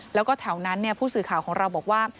แล้วก็แถวนั้นผู้สื่อข่าวของเราบอกว่า